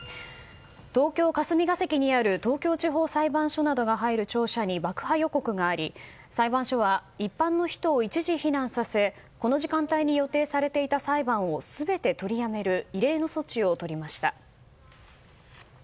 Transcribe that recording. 東京・霞が関にある東京地方裁判所などが入る庁舎に爆破予告があり裁判所は一般の人を一時避難させこの時間帯に予定されていた裁判を全て取りやめる異例の措置をとりました。